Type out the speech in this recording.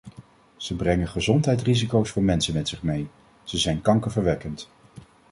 Ze brengen gezondheidsrisico's voor mensen met zich mee: ze zijn kankerverwekkend.